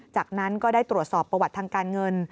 จากนั้นก็ได้ตรวจสอบประวัติทางการเงิน